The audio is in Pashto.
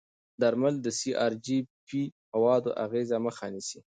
درمل د سی ار جي پي موادو اغېزې مخه نیسي.